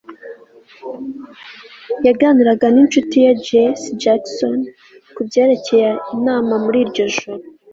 yaganiraga ninshuti ye jesse jackson kubyerekeye inama muri iryo joro